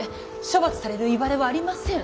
処罰されるいわれはありません。